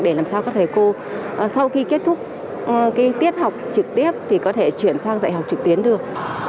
để làm sao các thầy cô sau khi kết thúc cái tiết học trực tiếp thì có thể chuyển sang dạy học trực tuyến được